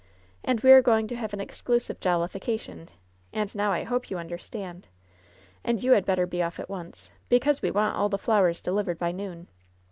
And we are going to have an exclusive jollification* And now I hope you understand. And you had better be off at once, because we want all the flowers delivered by noon.